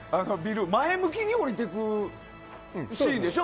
前向きに下りてくるシーンでしょ。